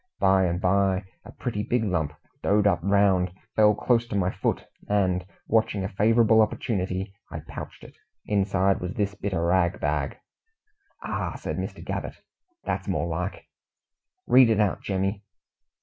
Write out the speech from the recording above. By and by a pretty big lump, doughed up round, fell close to my foot, and, watching a favourable opportunity, I pouched it. Inside was this bit o' rag bag." "Ah!" said Mr. Gabbett, "that's more like. Read it out, Jemmy."